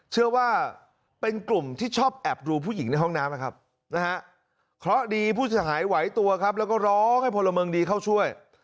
เชื่อว่าเป็นกลุ่มที่ชอบแอบดูผู้หญิงในห้องน้ำนะครับนะฮะเคราะห์ดีผู้เสียหายไหวตัวครับแล้วก็ร้องให้พลเมืองดีเข้าช่วย